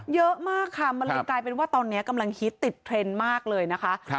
เยอะมากค่ะมันเลยกลายเป็นว่าตอนนี้กำลังฮิตติดเทรนด์มากเลยนะคะ